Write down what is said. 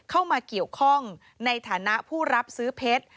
เข้ามาเกี่ยวข้องในฐานะผู้รับซื้อเพชร